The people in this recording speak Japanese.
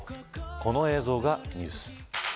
この映像がニュース。